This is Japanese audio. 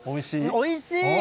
おいしい。